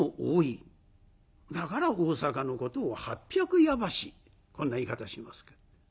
だから大阪のことを「八百八橋」こんな言い方します。